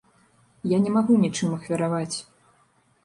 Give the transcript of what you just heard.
Я не магу ні чым ахвяраваць.